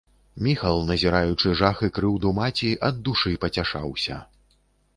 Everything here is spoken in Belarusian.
Міхаіл, назіраючы жах і крыўду маці, ад душы пацяшаўся.